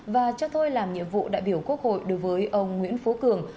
và cho thôi làm nhiệm vụ đại biểu quốc hội đối với ông nguyễn phú cường